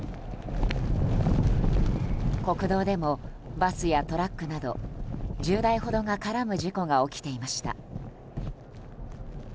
国道でも、バスやトラックなど１０台ほどが絡む事故が起きていました。